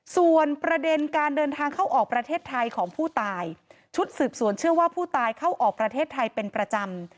ส่วนประเด็นการเดินทางเข้าออกประเทศไทยของผู้ตายชุดสืบสวนเชื่อว่าผู้ตายเข้าออกประเทศไทยเป็นประจำ